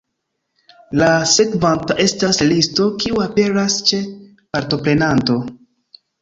La sekvanta estas listo, kiu aperas ĉe partoprenanto.